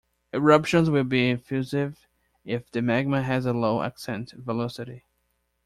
Eruptions will be effusive if the magma has a low ascent velocity.